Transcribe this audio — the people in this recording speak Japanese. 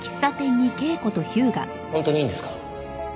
本当にいいんですか？